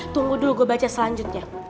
tunggu dulu gue baca selanjutnya